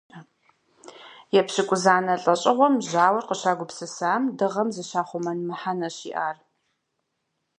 Епщыкӏузанэ лӏэщӏыгъуэм жьауэр къыщагупсысам дыгъэм зыщахъумэн мыхьэнэщ иӏар.